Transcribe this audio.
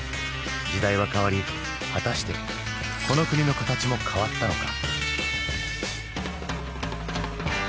時代は変わり果たしてこの国の形も変わったのか？